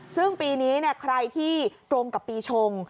ซึ่งปีนี้ใครที่ตรงกับปีชง